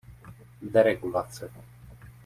Deregulace.